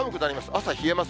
朝冷えます。